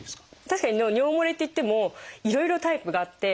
確かに尿もれっていってもいろいろタイプがあって。